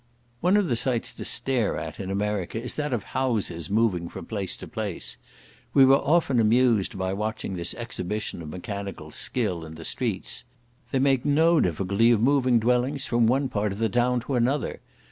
One of the sights to stare at in America is that of houses moving from place to place. We were often amused by watching this exhibition of mechanical skill in the streets. They make no difficulty of moving dwellings from one part of the town to another.